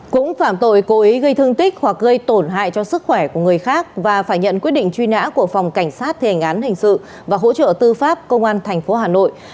cũng phảm tội cố ý gây thương tích hoặc gây tổn hại cho sức khỏe của người khác và phải nhận quyết định truy nã của phòng cảnh sát thể ngán hình sự và hỗ trợ tư pháp công an thành phố hà nội